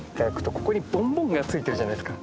ここにボンボンがついてるじゃないですか。